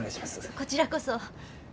こちらこそ。